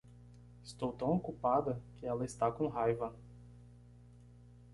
Estou tão ocupada que ela está com raiva.